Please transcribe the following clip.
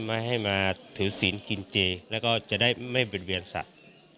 ไม่ให้มาถือศีลกินเจแล้วก็จะได้ไม่เป็นเวียนสัตว์